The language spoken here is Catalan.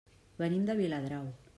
Venim de Viladrau.